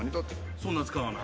そんな使わない？